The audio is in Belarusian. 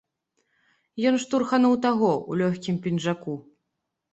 Ён штурхануў таго ў лёгкім пінжаку.